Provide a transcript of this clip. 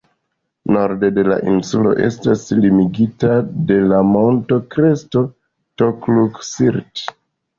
Norde la duoninsulo estas limigita de la monto-kresto "Tokluk-Sirt".